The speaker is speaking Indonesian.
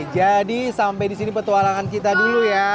jadi sampai di sini petualangan kita dulu ya